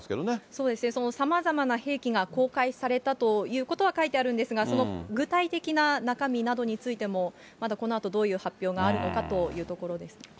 そうですね、さまざまな兵器が公開されたということは書いてあるんですが、その具体的な中身などについても、まだこのあと、どういう発表があるのかというところです。